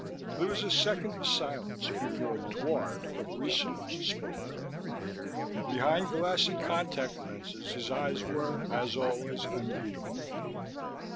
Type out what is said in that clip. There was a second of silence before Dward, of Research, spoke up. Behind glassy contact lenses his eyes were, as always, unreadable.